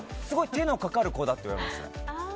すごい手のかかる子だって言われました。